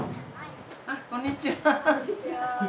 あっこんにちは。